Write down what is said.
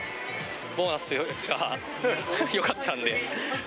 ボーナスがよかったんで。